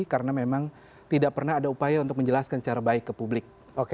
karena memang tidak pernah ada upaya untuk menjelaskan secara baik ke publik